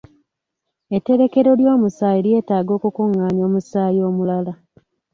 Etterekero ly'omusaayi lyeetaaga okukungaanya omusaayi omulala.